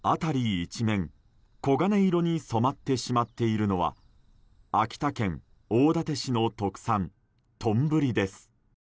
一面、黄金色に染まってしまっているのは秋田県大館市の特産とんぶりです。